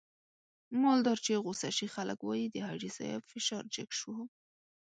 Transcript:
مالدار چې غوسه شي خلک واي د حاجي صاحب فشار جګ شو.